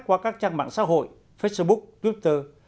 qua các trang mạng xã hội facebook twitter